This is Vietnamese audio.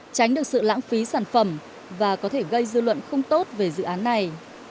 tránh được sự lãng phí sản phẩm và có thể gây dư luận không tốt về dự án này